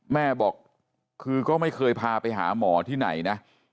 แม่บอกคือก็ไม่เคยพาไปหาหมอที่ไหนนะ